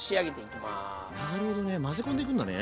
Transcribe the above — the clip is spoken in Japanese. なるほどね混ぜ込んでいくんだね。